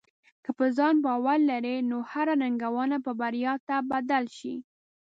که په ځان باور لرې، نو هره ننګونه به بریا ته بدل شي.